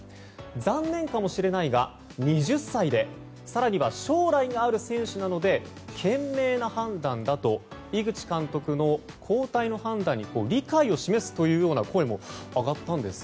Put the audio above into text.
残念かもしれないが、２０歳で更には将来がある選手なので賢明な判断だと井口監督の交代の判断に理解を示すという声も上がったんです。